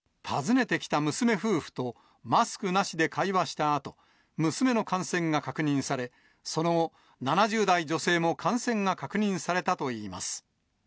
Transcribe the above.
訪ねてきた娘夫婦とマスクなしで会話したあと、娘の感染が確認され、その後、７０代女性も感染が確認されたといいます。